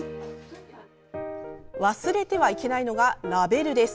忘れてはいけないのがラベルです。